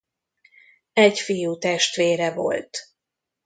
Egy fiútestvére volt.